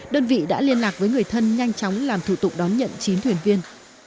đơn vị đã liên lạc với người thân nhanh chóng làm thủ tục đón nhận chín thuyền viên